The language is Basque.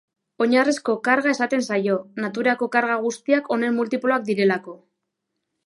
Oinarrizko karga esaten zaio, naturako karga guztiak honen multiploak direlako.